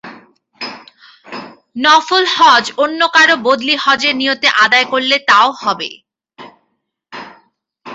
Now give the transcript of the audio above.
নফল হজ অন্য কারও বদলি হজের নিয়তে আদায় করলে তা ও হবে।